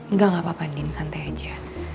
nggak gak apa apa din santai aja